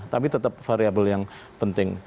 tapi tetap variable yang penting